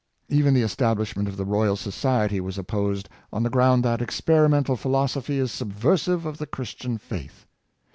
Even the establishment of the Royal Society was op posed, on the ground that " experimental philosophy is subversive of the Christian faith."